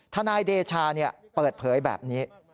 นายเดชาเปิดเผยแบบนี้